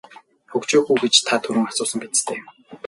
Хөгжөөх үү гэж та түрүүн асуусан биз дээ.